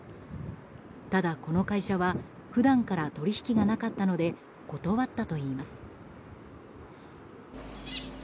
ただ、この会社は普段から取引がなかったので断ったといいます。